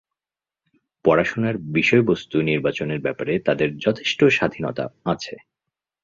পড়াশোনার বিষয়বস্তু নির্বাচনের ব্যাপারে তাদের যথেষ্ট স্বাধীনতা আছে।